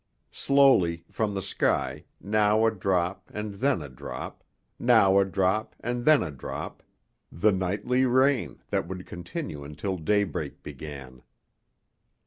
Slowly, from the sky, now a drop and then a drop, now a drop and then a drop, the nightly rain that would continue until daybreak began.